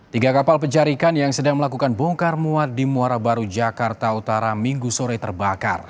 tiga kapal pencarikan yang sedang melakukan bongkar muat di muara baru jakarta utara minggu sore terbakar